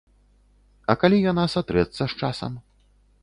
А калі яна сатрэцца з часам?